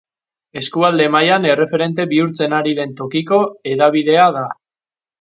Eskualde mailan erreferente bihurtzen ari den tokiko hedabidea da.